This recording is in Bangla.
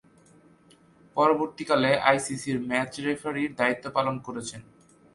পরবর্তীকালে আইসিসি’র ম্যাচ রেফারির দায়িত্ব পালন করেছেন।